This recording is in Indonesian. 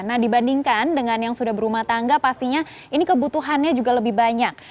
nah dibandingkan dengan yang sudah berumah tangga pastinya ini kebutuhannya juga lebih banyak